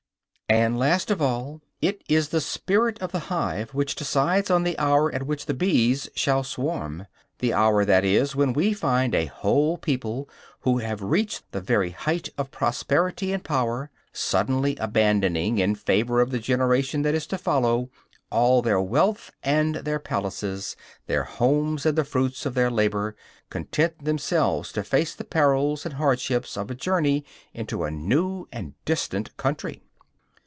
And, last of all, it is the spirit of the hive which decides on the hour at which the bees shall swarm; the hour, that is, when we find a whole people, who have reached the very height of prosperity and power, suddenly abandoning, in favor of the generation that is to follow, all their wealth and their palaces, their homes and the fruits of their labor, content themselves to face the perils and hardships of a journey into a new and distant country.